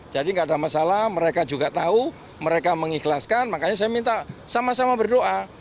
jadi nggak ada masalah mereka juga tahu mereka mengikhlaskan makanya saya minta sama sama berdoa